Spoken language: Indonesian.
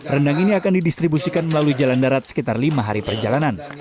rendang ini akan didistribusikan melalui jalan darat sekitar lima hari perjalanan